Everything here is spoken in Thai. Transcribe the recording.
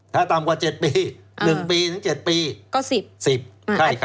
ถ้าต่ำกว่า๗ปี๑ปีถึง๗ปีก็๑๐๑๐ใช่ครับ